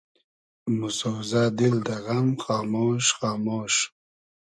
موسۉزۂ دیل دۂ غئم خامۉش خامۉش